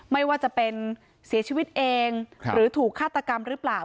ไม่ว่าจะเป็นเสียชีวิตเองหรือถูกฆาตกรรมหรือเปล่า